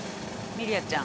ミリアちゃん。